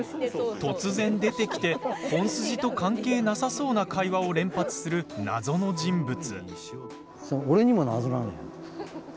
突然、出てきて本筋と関係なさそうな会話を連発する謎の人物。